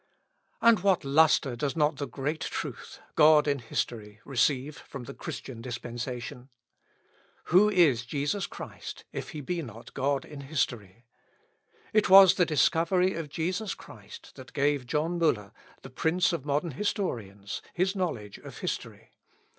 And what lustre does not the great truth God in History receive from the Christian Dispensation? Who is Jesus Christ, if he be not God in History? It was the discovery of Jesus Christ that gave John Müller, the prince of modern historians, his knowledge of history.